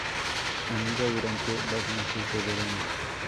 Anida durante los meses de verano.